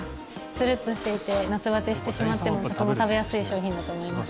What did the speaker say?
ツルッとしていて夏バテしてしまってもとても食べやすい商品だと思います。